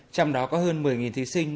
trong đó có hơn một mươi thí sinh